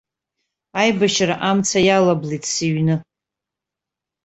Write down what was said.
Аибашьра амца иалаблит сыҩны.